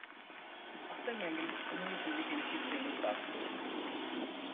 اختر مینگل قومی اسمبلی کی نشست سے مستعفی